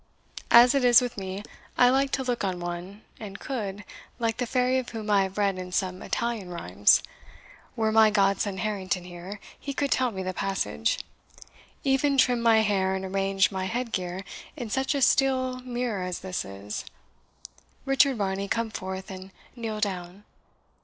As it is with me, I like to look on one, and could, like the Fairy of whom I have read in some Italian rhymes were my godson Harrington here, he could tell me the passage even trim my hair, and arrange my head gear, in such a steel mirror as this is. Richard Varney, come forth, and kneel down.